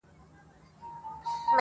هم په ښار کي هم په کلي کي منلی؛